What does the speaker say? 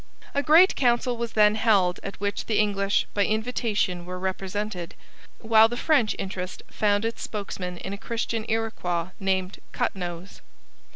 A great council was then held at which the English, by invitation, were represented, while the French interest found its spokesman in a Christian Iroquois named Cut Nose.